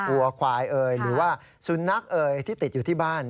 วัวควายเอ่ยหรือว่าสุนัขเอ่ยที่ติดอยู่ที่บ้าน